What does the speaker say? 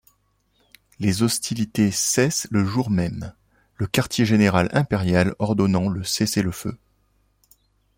Les hostilités cessent le jour même, le quartier-général impérial ordonnant le cessez-le-feu.